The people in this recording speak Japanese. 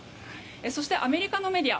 そしてアメリカのメディア